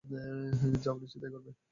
যা বলেছি তাই করবে?